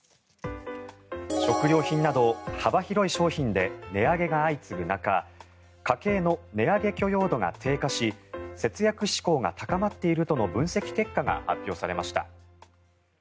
食料品など幅広い商品で値上げが相次ぐ中家計の値上げ許容度が低下し節約志向が高まっているとの分析結果が発表されました。